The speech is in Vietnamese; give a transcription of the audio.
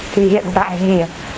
thì hiện tại thì